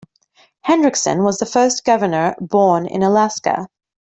Hendrickson was the first governor born in Alaska.